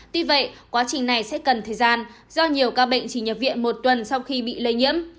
tuy vậy quá trình này sẽ cần thời gian do nhiều ca bệnh chỉ nhập viện một tuần sau khi bị lây nhiễm